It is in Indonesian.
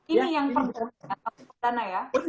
ini yang perbedaan atau perdana ya